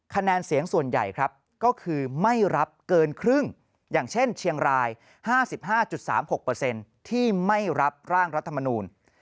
คะแนนเสียงส่วนใหญ่ครับก็คือไม่รับเกินครึ่งอย่างเช่นเชียงราย๕๕๓๖ที่ไม่รับร่างรัฐมนูล